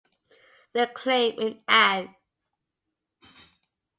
The claim in Ann.